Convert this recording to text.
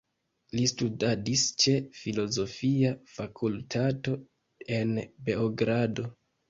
Li studadis ĉe filozofia fakultato en Beogrado.